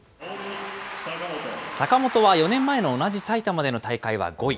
坂本は４年前の同じ埼玉での大会は５位。